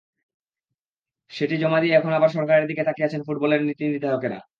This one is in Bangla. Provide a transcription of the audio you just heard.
সেটি জমা দিয়ে এখন আবার সরকারের দিকে তাকিয়ে আছেন ফুটবলের নীতিনির্ধারকেরা।